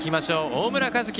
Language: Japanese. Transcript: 大村和輝